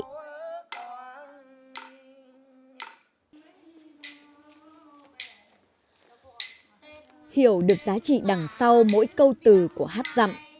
để hiểu được giá trị đằng sau mỗi câu từ của hát rậm